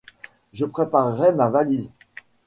Je préparai ma valise.